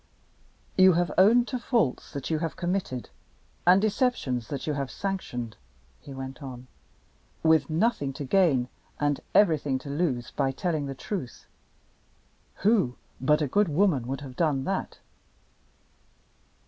"You have owned to faults that you have committed, and deceptions that you have sanctioned," he went on "with nothing to gain, and everything to lose, by telling the truth. Who but a good woman would have done that?"